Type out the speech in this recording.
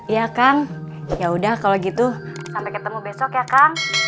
iya kang yaudah kalo gitu sampai ketemu besok ya kang